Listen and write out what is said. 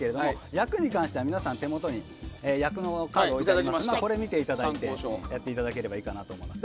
役に関しては皆さん手元に役のカードを置いてあるのでこれを見ていただきながらやっていただければいいかと思います。